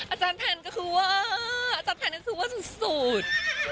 อาจารย์แผนก็คือว่าอาจารย์แผ่นนั้นคือว่าสุด